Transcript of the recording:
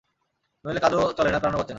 নইলে কাজও চলে না প্রাণও বাঁচে না।